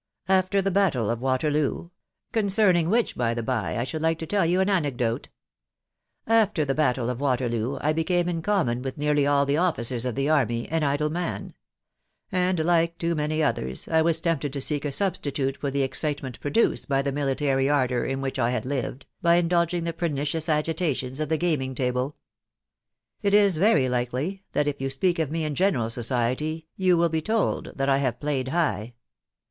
After the battle of Waterloo — (concern ing which, by the by, I should like to tell you an anecdote,) — after the battle of Waterloo, I became va. wtckbrkv ^sk nearly all the officers of the army, m \fi\fc TCtoW, «vW&fc'M» o 4 200 THE WIDOW BARNABY. many others, I was tempted to seek a substitute for the ex citement produced by the military ardour in which I had lived, by indulging in the pernicious agitations of the gaming table. It is very likely, that if you speak of me in general society, you will be told that I have played high.